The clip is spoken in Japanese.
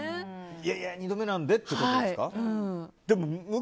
いやいや、２度目なんでってことですか？